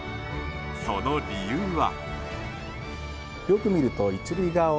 その理由は。